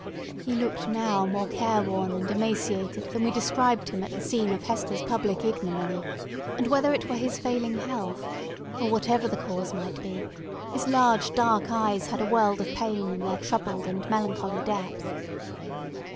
He looked now more careworn and emaciated than as we described him at the scene of Hester's public ignominy; and whether it were his failing health, or whatever the cause might be, his large dark eyes had a world of pain in their troubled and melancholy depth.